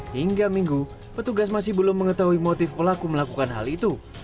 hingga minggu petugas masih belum mengetahui motif pelaku melakukan hal itu